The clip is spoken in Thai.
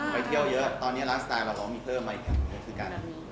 ไปเที่ยวยเยอะตอนนี้มีอะไรเราไลฟ์สไตล์เหมือนกับมีมีเพิ่มอีกอย่าง